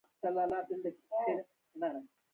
د اصولي صیب پلار سملاسي چای راوړې.